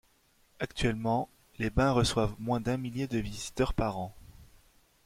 Actuellement, les bains reçoivent moins d'un millier de visiteurs par an.